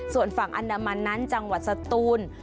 ส่วนฝั่งอันดามันนั้นจังหวัดสตูน